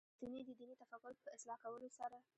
یوازې د دیني تفکر په اصلاح کولو سره.